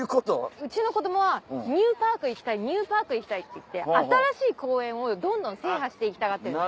うちの子供はニューパーク行きたいニューパーク行きたいって言って新しい公園をどんどん制覇して行きたがってるんです。